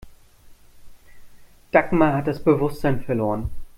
Dagmar hat das Bewusstsein verloren.